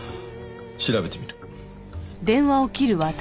調べてみる。